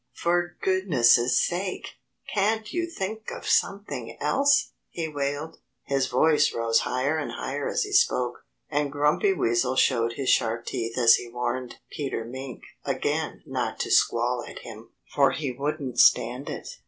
"For goodness' sake, can't you think of something else?" he wailed. His voice rose higher and higher as he spoke. And Grumpy Weasel showed his sharp teeth as he warned Peter Mink again not to squall at him, for he wouldn't stand it.